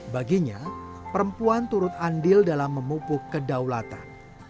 baginya perempuan turut andil dalam memupuk kedaulatan